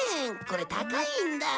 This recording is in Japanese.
これ高いんだ。